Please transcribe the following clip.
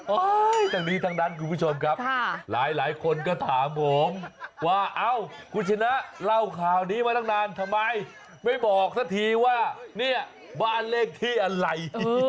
ทั้งนี้ทั้งนั้นคุณผู้ชมครับหลายคนก็ถามผมว่าเอ้าคุณชนะเล่าข่าวนี้มาตั้งนานทำไมไม่บอกสักทีว่าเนี่ยบ้านเลขที่อะไร